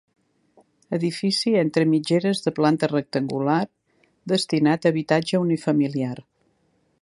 Edifici entre mitgeres de planta rectangular, destinat a habitatge unifamiliar.